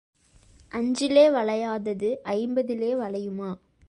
அஞ்சிலே வளையாதது ஐம்பதிலே வளையுமா?